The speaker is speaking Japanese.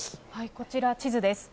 こちら、地図です。